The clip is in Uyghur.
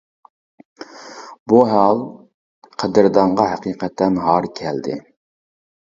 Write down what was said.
بۇ ھال قەدىردانغا ھەقىقەتەن ھار كەلدى.